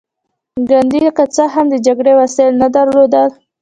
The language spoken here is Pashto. ګاندي که څه هم د جګړې وسايل نه درلودل.